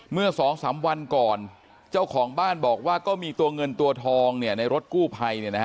เมื่อสองสามวันก่อนเจ้าของบ้านบอกว่าก็มีตัวเงินตัวทองเนี่ยในรถกู้ไพเนี่ยนะฮะ